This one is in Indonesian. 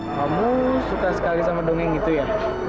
kamu suka sekali sama dongeng gitu ya